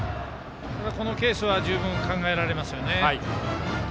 このケースは十分考えられます。